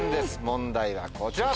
問題はこちら！